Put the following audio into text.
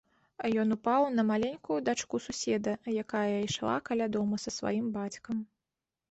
Ён упаў на маленькую дачку суседа, якая ішла каля дома са сваім бацькам.